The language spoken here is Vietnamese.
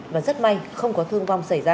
và rất may không có thương vong xảy ra